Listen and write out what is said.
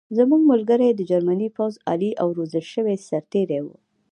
زموږ ملګري د جرمني پوځ عالي او روزل شوي سرتېري وو